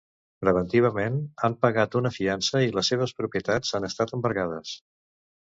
Preventivament, han pagat una fiança i les seves propietats han estat embargades.